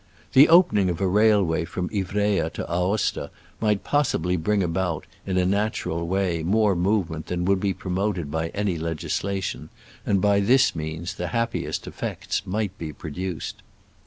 The opening of a railway from Ivrea to Aosta might possibly bring about, in a natural way, more move ment than would be promoted by any legislation, and by this means the hap piest effects might be produced.